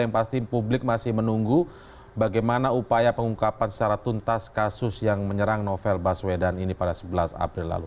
yang pasti publik masih menunggu bagaimana upaya pengungkapan secara tuntas kasus yang menyerang novel baswedan ini pada sebelas april lalu